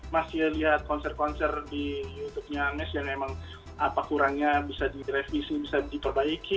masih lihat konser konser di youtubenya mes yang emang apa kurangnya bisa direvisi bisa diperbaiki